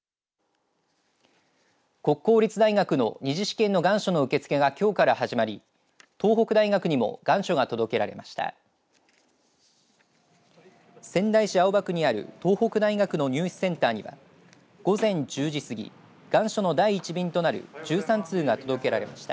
国公立大学の２次試験の願書の受け付けがきょうから始まり東北大学にも願書が届けられました。